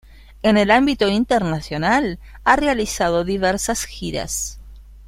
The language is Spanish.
En el ámbito internacional ha realizado diversas giras.